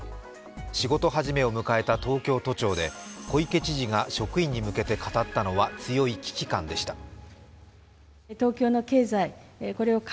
仕事始めを迎えた東京都庁で小池知事が職員に向けて語ったのは強い危機感でした。